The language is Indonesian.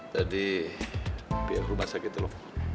tadi pihak rumah sakit loh